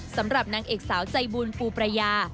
สำหรับนางเอกสาวใจบุญปูประยา